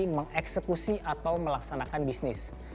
mengeksekusi atau melaksanakan bisnis